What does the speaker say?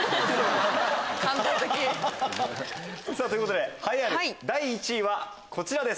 感動的。ということで栄えある第１位はこちらです。